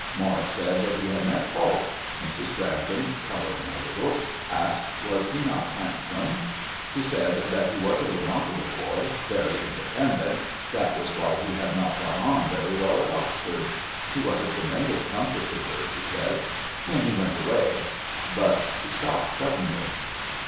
Morris said that he had met Falk. Mrs. Brandon, colouring a little, asked was he not handsome? She said that he was a remarkable boy, very independent, that was why he had not got on very well at Oxford.... He was a tremendous comfort to her, she said. When he went away...but she stopped suddenly.